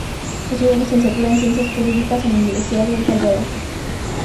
Estudio Licenciatura en ciencias Jurídicas en la Universidad de El Salvador.